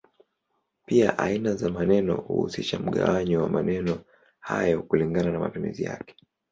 Pia aina za maneno huhusisha mgawanyo wa maneno hayo kulingana na matumizi yake.